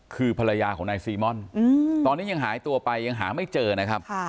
คือภรรยาของนายซีม่อนตอนนี้ยังหายตัวไปยังหาไม่เจอนะครับ